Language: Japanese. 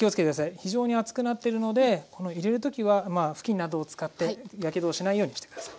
非常に熱くなってるのでこの入れる時は布巾などを使ってやけどをしないようにして下さい。